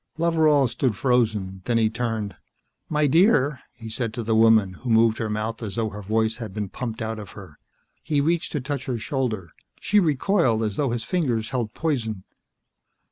Loveral stood frozen, then he turned. "My dear," he said to the woman who moved her mouth as though her voice had been pumped out of her. He reached to touch her shoulder. She recoiled, as though his fingers held poison.